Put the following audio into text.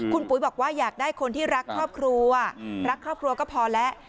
คุณปุ๋ยบอกว่าอยากได้คนที่รักครอบครัวรักครอบครัวก็พอแล้ว